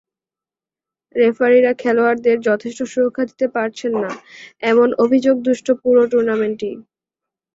রেফারিরা খেলোয়াড়দের যথেষ্ট সুরক্ষা দিতে পারছেন না, এমন অভিযোগদুষ্ট পুরো টুর্নামেন্টই।